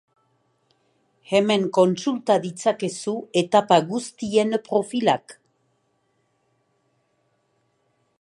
Hemen kontsulta ditzakezu etapa guztien profilak.